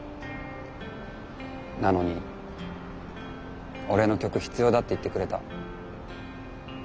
なのに俺の曲必要だって言ってくれた。